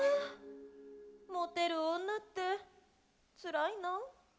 モテる女ってつらいな。